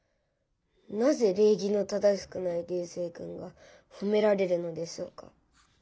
なぜ礼儀の正しくない流星君がほめられるのでしょうか？